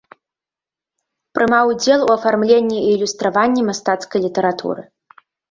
Прымаў удзел у афармленні і ілюстраванні мастацкай літаратуры.